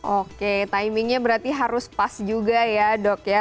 oke timingnya berarti harus pas juga ya dok ya